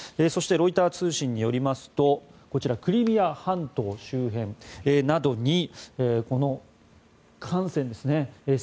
そしてロイター通信によりますとこちら、クリミア半島周辺などにこの艦船ですね。